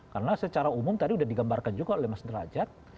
karena secara umum tadi sudah digambarkan juga oleh mas derajat